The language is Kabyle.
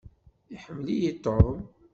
Iḥemmel-iyi Tom.